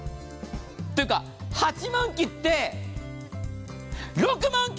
というか８万切って６万９８００円。